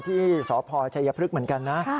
ที่สพอาจารย์พฤษภกรรมเหมือนกันนะ